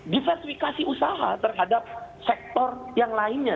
diversifikasi usaha terhadap sektor yang lainnya